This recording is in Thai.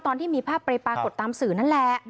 ตอนที่มีภาพไปปรากฏตามสื่อนั่นแหละ